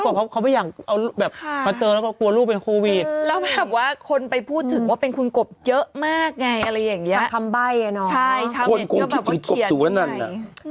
จากคำใบเนอะคนคงคิดถึงกบสุวนั่นอะใช่ชาวเน็ตก็แบบว่าเขียนไง